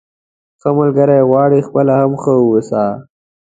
که ښه ملګری غواړئ خپله هم ښه واوسه.